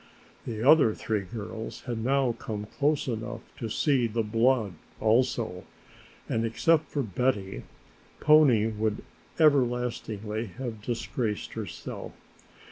The other three girls had now come close enough to see the blood also, and except for Betty, Pony would everlastingly have disgraced herself.